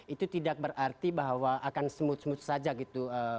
itu tidak berarti bahwa akan smooth smooth saja gitu